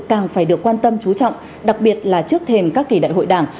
càng phải được quan tâm chú trọng đặc biệt là trước thềm các kỳ đại hội đảng